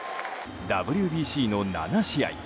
ＷＢＣの７試合